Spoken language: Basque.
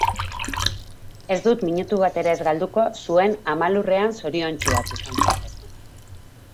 Ez dut minutu bat ere ez galduko zuon ama lurrean zoriontsuak izan zaitezen.